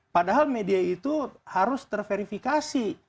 padahal media itu harus terverifikasi